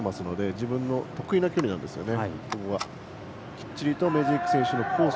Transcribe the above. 自分の得意な距離ですね。